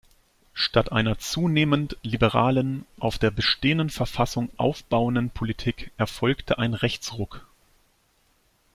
Statt einer zunehmend liberalen, auf der bestehenden Verfassung aufbauenden Politik erfolgte ein Rechtsruck.